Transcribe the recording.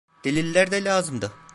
Deliller de lazımdı.